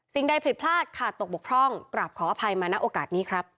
ใดผิดพลาดขาดตกบกพร่องกลับขออภัยมาณโอกาสนี้ครับ